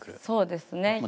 そうですね。